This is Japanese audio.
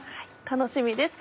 楽しみです。